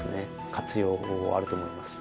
活用法はあると思います。